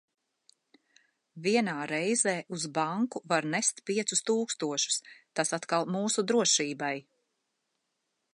Vienā reizē uz banku var nest piecus tūkstošus, tas atkal mūsu drošībai.